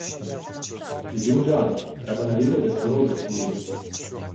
— Піду гляну... Треба навідати сторожу свою.